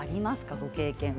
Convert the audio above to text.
ご経験は。